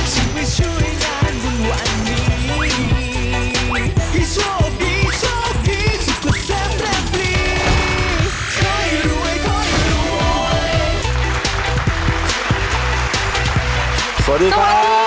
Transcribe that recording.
สวัสดีค่ะสวัสดีค่ะ